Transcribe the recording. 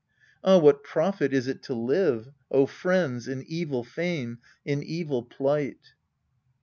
Ah, what profit is to live, O friends, in evil fame, in evil plight?